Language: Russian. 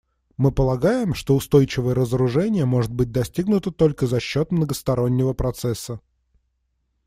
Мы полагаем, что устойчивое разоружение может быть достигнуто только за счет многостороннего процесса.